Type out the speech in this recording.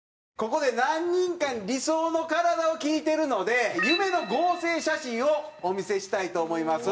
ここで何人かに理想の体を聞いてるので夢の合成写真をお見せしたいと思います。